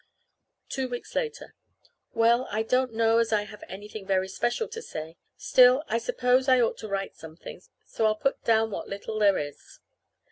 Two weeks later. Well, I don't know as I have anything very special to say. Still, I suppose I ought to write something; so I'll put down what little there is.